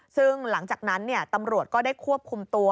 ซึ่งหลังจากนั้นตำรวจก็ได้ควบคุมตัว